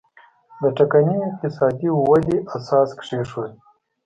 د ټکنۍ اقتصادي ودې اساس کېښود.